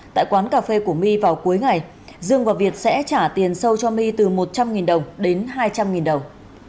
tại quán cà phê của my vào cuối ngày dương và việt sẽ trả tiền sâu cho my từ một trăm linh đồng đến hai trăm linh đồng